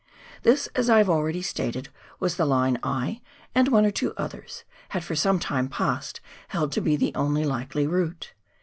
This, as I have already stated, was the line I and one or two others had for some time past held to be the only likely route.